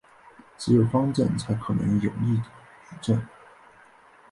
只有方阵才可能有逆矩阵。